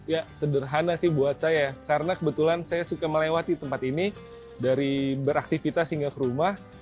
ya sederhana sih buat saya karena kebetulan saya suka melewati tempat ini dari beraktivitas hingga ke rumah